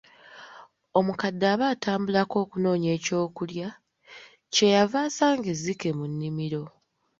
Omukadde aba atambulako okunoonya ku kyokulya, kye yava asanga ezzike mu nnimiro.